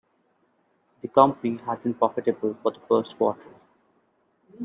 The company has been profitable for the first quarter.